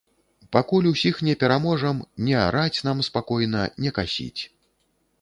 Пакуль усіх не пераможам, не араць нам спакойна, не касіць.